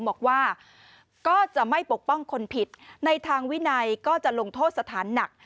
บอกว่าก็จะไม่ปกป้องคนผิดในทางวินัยก็จะลงโทษสถานหนัก